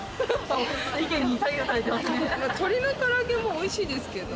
鶏の唐揚もおいしいですけど。